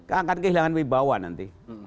orang gak percaya lagi pada parpol